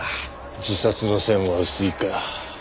自殺の線は薄いか。